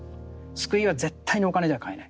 救いは絶対にお金じゃ買えない。